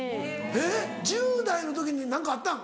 えっ１０代の時に何かあったん？